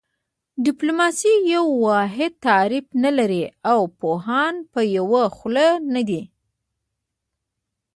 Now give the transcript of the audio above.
ډیپلوماسي یو واحد تعریف نه لري او پوهان په یوه خوله نه دي